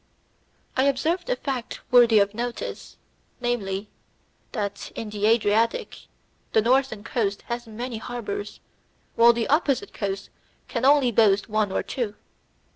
I observed a fact worthy of notice, namely, that, in the Adriatic, the northern coast has many harbours, while the opposite coast can only boast of one or two.